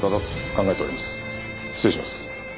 失礼します。